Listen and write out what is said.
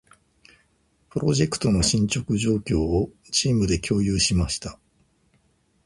プロジェクトの進捗状況を、チームで共有しました。